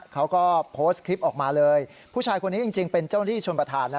เขาก็โพสต์คลิปออกมาเลยผู้ชายคนนี้จริงเป็นเจ้าหน้าที่ชนประธานนะ